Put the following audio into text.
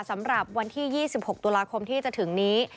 สำหรับวันที่๒๖ตุลาคมที่จะถึงนี้